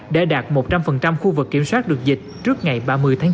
để đạt một trăm linh khu vực kiểm soát được dịch trước ngày ba mươi tháng chín